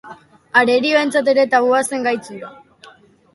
Arerioentzat ere tabua zen gaitz hura.